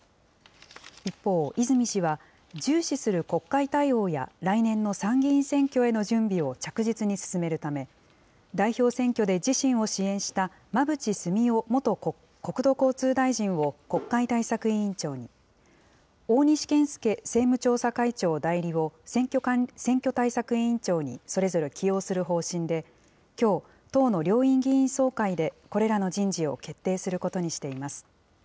一方、泉氏は、重視する国会対応や、来年の参議院選挙への準備を着実に進めるため、代表選挙で自身を支援した、馬淵澄夫元国土交通大臣を国会対策委員長に、大西健介政務調査会長代理を選挙対策委員長に、それぞれ起用する方針で、きょう、党の両院議員総会でこれらの人事を決定することにしています。